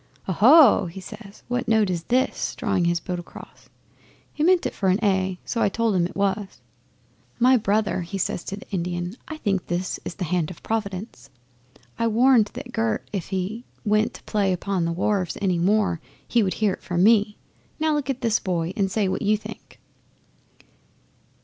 '"Oho!" he says. "What note is this?" drawing his bow across. 'He meant it for A, so I told him it was. '"My brother," he says to the Indian. "I think this is the hand of Providence! I warned that Gert if he went to play upon the wharves any more he would hear from me. Now look at this boy and say what you think."